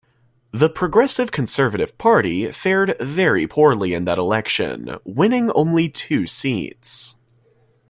The Progressive Conservative Party fared very poorly in that election, winning only two seats.